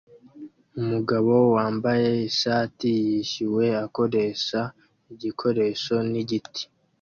Umugabo wambaye ishati yishyuwe akoresha igikoresho nigiti